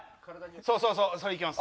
そうそうそれいけます。